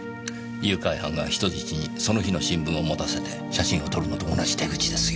誘拐犯が人質にその日の新聞を持たせて写真を撮るのと同じ手口ですよ。